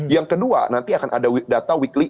yang kedua nanti akan ada data weekly